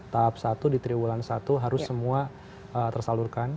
tahap satu di triwulan satu harus semua tersalurkan